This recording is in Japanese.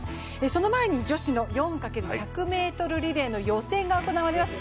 その前に女子の４×１００ｍリレーの予選が行われます。